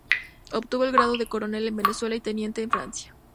Obtuvo el grado de coronel en Venezuela y teniente en Francia.